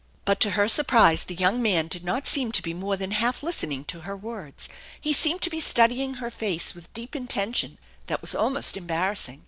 But to her surprise the } r oung man did not seem to be more than half listening to her words. He seemed to be studying her face with deep intention that was almost embarrassing.